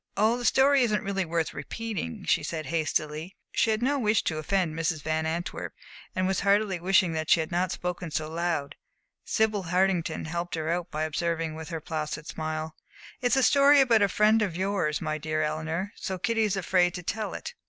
"Oh, the story isn't really worth repeating," she said, hastily. She had no wish to offend Mrs. Van Antwerp, and was heartily wishing that she had not spoken so loud. Sibyl Hartington helped her out by observing, with her placid smile: "It's a story about a friend of yours, my dear Eleanor, so Kitty is afraid to tell it."